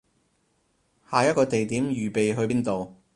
下一個地點預備去邊度